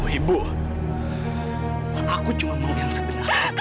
aku cuma mau yang sebenarnya